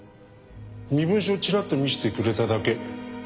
身分証チラッと見せてくれただけ。